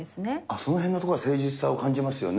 そのへんのところは誠実さを感じますよね。